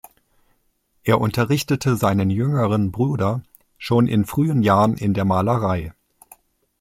Er unterrichtete seinen jüngeren Bruder schon in frühen Jahren in der Malerei.